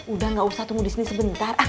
udah gak usah temu di sini sebentar ah